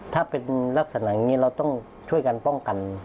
ถ้าเป็นลักษณะอย่างนี้เราต้องช่วยกันป้องกัน